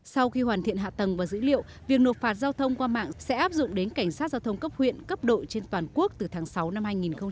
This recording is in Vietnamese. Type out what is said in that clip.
sau khi hoàn thiện hạ tầng và dữ liệu việc nộp phạt giao thông qua mạng sẽ áp dụng đến cảnh sát giao thông cấp huyện cấp độ trên toàn quốc từ tháng sáu năm hai nghìn hai mươi